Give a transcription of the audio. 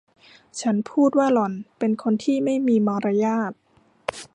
ฉันพูดว่าหล่อนเป็นคนที่ไม่มีมารยาท